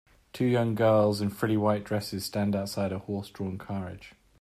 Two young girls in frilly white dresses stand outside a horse drawn carriage.